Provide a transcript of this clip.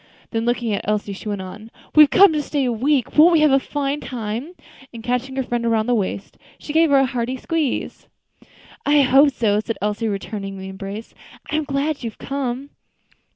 Then, looking at Elsie, she went on, "We've come to stay a week; won't we have a fine time?" and, catching her friend round the waist, she gave her a hearty squeeze. "I hope so," said Elsie, returning the embrace. "I am glad you have come."